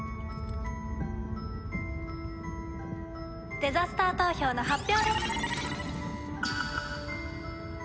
デザスター投票の発表です。